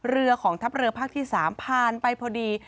เรือของทัพเรือภาคที่๓ผ่านไปพอดี